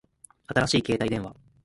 新しい携帯電話